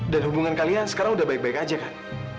hubungan kalian sekarang udah baik baik aja kan